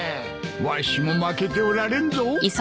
わしも負けておられんぞ。